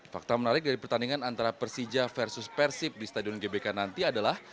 fakta menarik dari pertandingan antara persija versus persib di stadion gbk nanti adalah